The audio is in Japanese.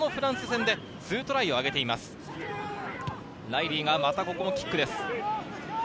ライリーが、またここもキックです。